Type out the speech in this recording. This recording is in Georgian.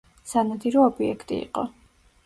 სანადირო ობიექტი იყო.